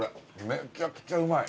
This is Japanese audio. めちゃくちゃうまい。